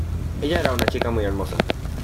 Ella era una chica muy hermosa.